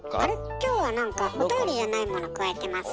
今日は何かおたよりじゃないものくわえてますね。